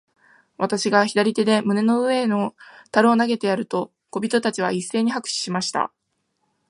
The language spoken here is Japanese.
私が左手で胸の上の樽を投げてやると、小人たちは一せいに拍手しました。